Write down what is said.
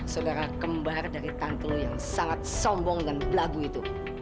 saudara kembar dari tante yang sangat sombong dan lagu itu